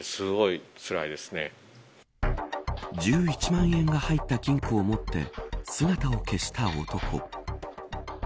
１１万円が入った金庫を持って姿を消した男。